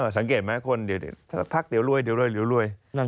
สังเกตไหมคนพักเดี๋ยวรวย